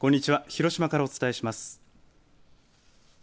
広島からお伝えします。